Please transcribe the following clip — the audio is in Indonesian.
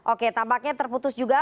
oke tampaknya terputus juga